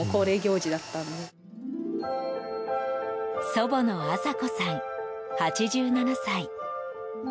祖母のアサ子さん、８７歳。